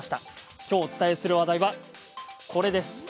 きょうお伝えする話題はこれです。